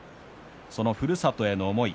そのふるさとへの思い